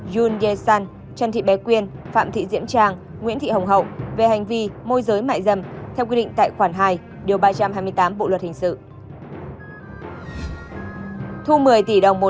yoon ye sun trần thị bé quyên phạm thị diễm trang nguyễn thị hồng hậu về hành vi môi giới mại dâm theo quy định tại khoản hai điều ba trăm hai mươi tám bộ luật hình sự